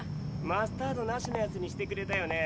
マスタードなしのやつにしてくれたよね。